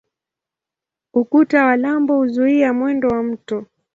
Ukuta wa lambo huzuia mwendo wa mto.